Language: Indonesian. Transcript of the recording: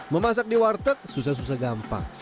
memasak di warteg susah susah gampang